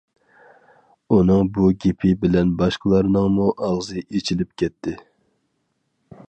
ئۇنىڭ بۇ گېپى بىلەن باشقىلارنىڭمۇ ئاغزى ئېچىلىپ كەتتى.